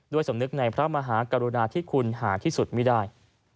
สำนึกในพระมหากรุณาที่คุณหาที่สุดไม่ได้